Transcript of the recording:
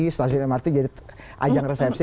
stasiun mrt jadi ajang resepsi